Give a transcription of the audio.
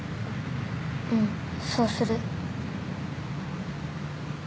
うんそうする。